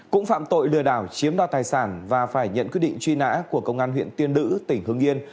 cũng phạm tội lừa đảo chiếm đoạt tài sản và phải nhận quyết định truy nã của công an huyện tiên nữ tỉnh hưng yên